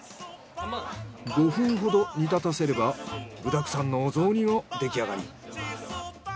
５分ほど煮立たせれば具だくさんのお雑煮の出来上がり。